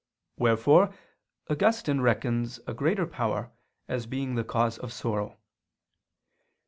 Wherefore Augustine reckons a greater power as being the cause of sorrow.